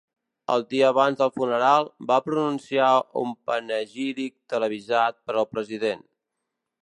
El dia abans del funeral, va pronunciar un panegíric televisat per al president.